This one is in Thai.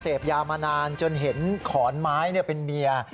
เสพยามานานจนเห็นขอนไม้เป็นเมีย